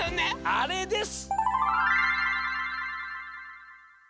あれです！